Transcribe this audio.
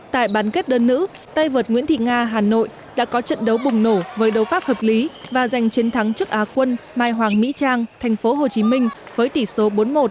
tại bán kết đơn nữ tay vợt nguyễn thị nga hà nội đã có trận đấu bùng nổ với đấu pháp hợp lý và giành chiến thắng trước á quân mai hoàng mỹ trang thành phố hồ chí minh với tỷ số bốn một